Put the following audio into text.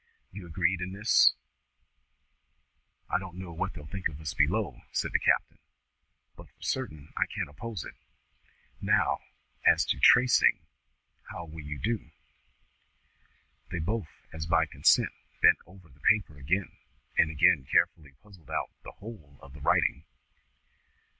You agree in this?" "I don't know what they'll think of us below," said the captain, "but for certain I can't oppose it. Now, as to tracing. How will you do?" They both, as by consent, bent over the paper again, and again carefully puzzled out the whole of the writing.